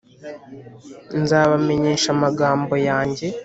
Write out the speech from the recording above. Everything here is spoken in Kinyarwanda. Nzabamenyesha amagambo yanjye